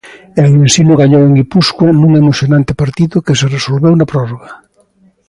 E o Ensino gañou en Guipúscoa nun emocionante partido que se resolveu na prórroga.